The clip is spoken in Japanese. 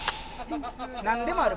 何でもある